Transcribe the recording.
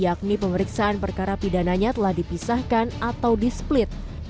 ini adalah tiga syarat yakni pemeriksaan perkara pidananya telah dipisahkan atau displit